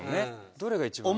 どれが一番。